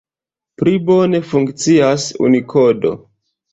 Pli bone funkcias Unikodo.